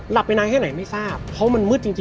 ไปนานแค่ไหนไม่ทราบเพราะมันมืดจริง